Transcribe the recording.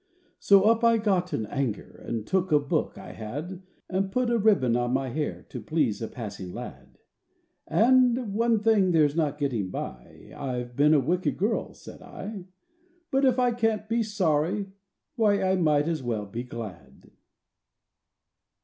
So up I got in anger, And took a book I had, And put a ribbon on my hair To please a passing lad. And, "One thing there's no getting by— I've been a wicked girl," said I; "But if I can't be sorry, why, I might as well be glad!"